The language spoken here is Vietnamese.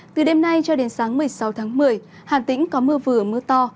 từ đêm nay cho đến sáng một mươi sáu tháng một mươi hà tĩnh có mưa vừa mưa to